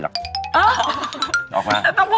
มันเป็นอะไร